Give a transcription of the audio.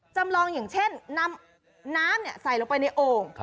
จำลองอย่างเช่นนำน้ำใส่ลงไปในโอ่ง